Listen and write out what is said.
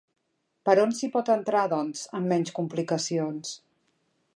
Per on s'hi pot entrar, doncs, amb menys complicacions?